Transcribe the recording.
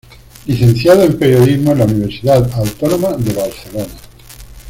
Licenciado en periodismo en la Universidad Autónoma de Barcelona.